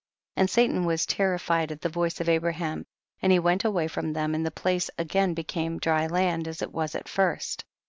39. And Satan was terrified at the voice of Abraham, and he went away from them, and the place again became dry land as it was at first.